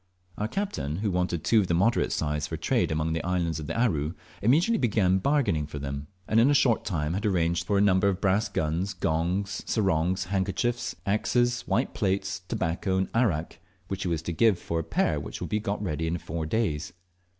Our captain, who wanted two of moderate size for the trade among the islands at Aru, immediately began bargaining for them, and in a short tine had arranged the nuns number of brass guns, gongs, sarongs, handkerchiefs, axes, white plates, tobacco, and arrack, which he was to give for a hair which could be got ready in four days.